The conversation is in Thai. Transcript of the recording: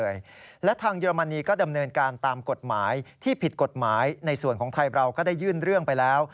และทางเยอรมนีก็ดำเนินการตามกฎหมายที่ผิดกฎหมายในส่วนของไทยเราก็ได้ยื่นเรื่องไปแล้ว